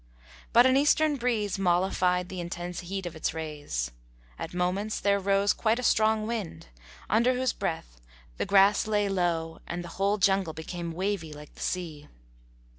But an eastern breeze mollified the intense heat of its rays. At moments there rose quite a strong wind, under whose breath the grass lay low and the whole jungle became wavy like the sea.